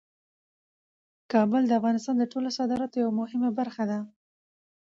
کابل د افغانستان د ټولو صادراتو یوه مهمه برخه ده.